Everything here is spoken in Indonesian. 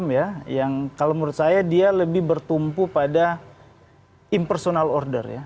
enam ya yang kalau menurut saya dia lebih bertumpu pada impersonal order ya